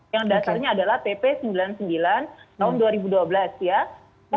yang dasarnya adalah pp sembilan puluh sembilan tahun dua ribu dua belas ya